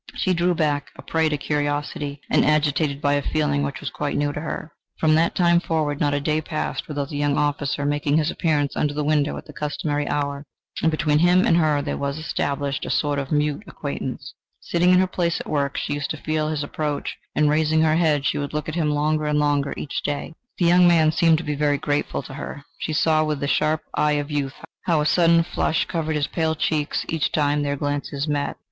She drew back, a prey to curiosity and agitated by a feeling which was quite new to her. From that time forward not a day passed without the young officer making his appearance under the window at the customary hour, and between him and her there was established a sort of mute acquaintance. Sitting in her place at work, she used to feel his approach; and raising her head, she would look at him longer and longer each day. The young man seemed to be very grateful to her: she saw with the sharp eye of youth, how a sudden flush covered his pale cheeks each time that their glances met.